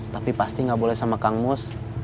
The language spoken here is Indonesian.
tapi pasti gak boleh sama kang mus